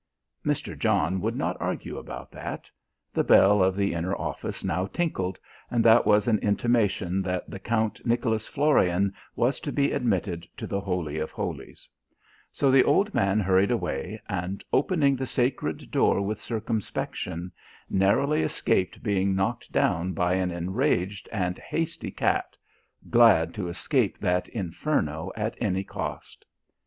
Mr. John would not argue about that. The bell of the inner office now tinkled, and that was an intimation that the Count Nicholas Florian was to be admitted to the Holy of Holies. So the old man hurried away and, opening the sacred door with circumspection, narrowly escaped being knocked down by an enraged and hasty cat glad to escape that inferno at any cost.